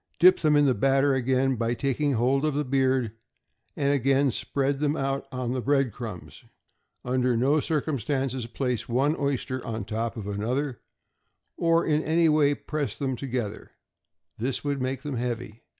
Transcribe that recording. Dip them in the batter again by taking hold of the beard, and again spread them out on the bread crumbs. Under no circumstances place one oyster on top of another, or in any way press them together; this would make them heavy.